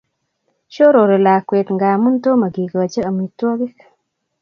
Shorore lakwet ngamun tomo kikachi amitwakik